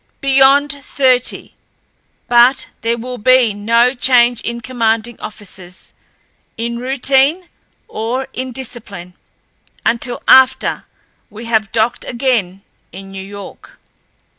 "Beyond thirty. But there will be no change in commanding officers, in routine or in discipline, until after we have docked again in New York."